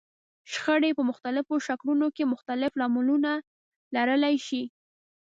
شخړې په مختلفو شکلونو کې مختلف لاملونه لرلای شي.